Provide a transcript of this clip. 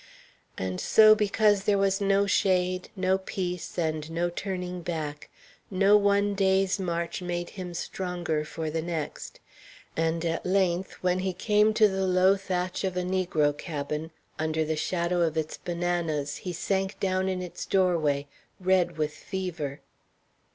And so because there were no shade, no peace, and no turning back, no one day's march made him stronger for the next; and at length, when he came to the low thatch of a negro cabin, under the shadow of its bananas he sank down in its doorway, red with fever.